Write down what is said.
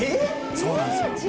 そうなんですよ。